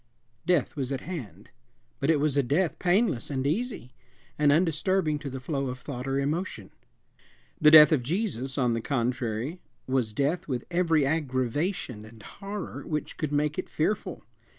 Death was at hand; but it was a death painless and easy, and undisturbing to the flow of thought or emotion. The death of Jesus, on the contrary, was death with every aggravation and horror which could make it fearful.